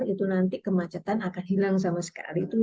itu nanti kemacetan akan hilang sama sekali